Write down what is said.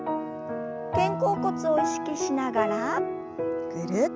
肩甲骨を意識しながらぐるっと。